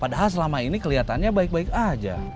padahal selama ini kelihatannya baik baik aja